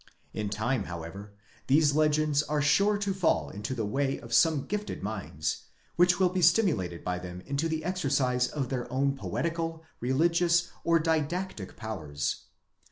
In time however these legends are sure to fall into the way of some gifted minds, which will be stimulated by them to the exercise of their own poetical, religious, or didactic powers.